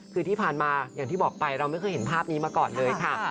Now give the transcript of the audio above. คือที่ผ่านมาอย่างที่บอกไปเราไม่เคยเห็นภาพนี้มาก่อนเลยค่ะ